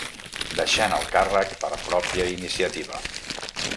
Deixant el càrrec per pròpia iniciativa.